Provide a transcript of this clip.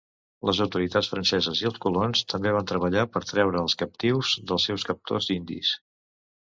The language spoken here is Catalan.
Les autoritats franceses i els colons també van treballar per treure els captius dels seus captors indis.